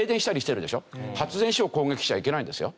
発電所を攻撃しちゃいけないんですよ。